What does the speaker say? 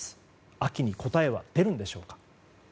秋に答えは出るんでしょうか。